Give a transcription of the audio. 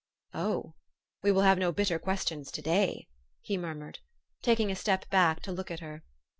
"Oh! we will have no bitter questions to day," he murmured, taking a step back to look at her.